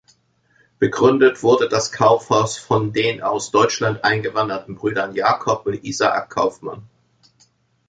Begründet wurde das Kaufhaus von den aus Deutschland eingewanderten Brüdern Jacob und Isaac Kaufmann.